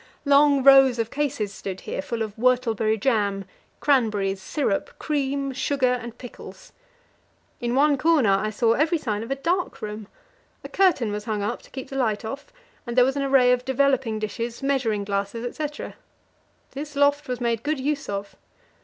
Long rows of cases stood here, full of whortleberry jam, cranberries, syrup, cream, sugar, and pickles. In one corner I saw every sign of a dark room; a curtain was hung up to keep the light off, and there was an array of developing dishes, measuring glasses, etc. This loft was made good use of.